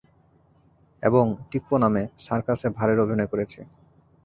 এবং টিপ্পো নামে, সার্কাসে ভাড়ের অভিনয় করেছি।